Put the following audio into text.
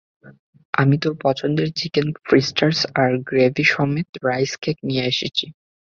আমি তোর পছন্দের, চিকেন ফ্রিটার্স আর গ্রেভি সমেত রাইস কেক নিয়ে এসেছি।